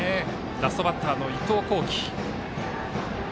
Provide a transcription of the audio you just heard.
ラストバッターの伊藤光輝。